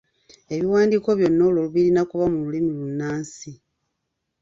Ebiwandiiko byonna olwo birina kuba mu lulimi lunnansi.